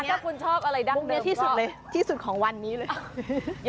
ถ้าคุณชอบอะไรดังนี้ที่สุดเลยที่สุดของวันนี้เลย